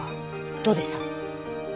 どうでした？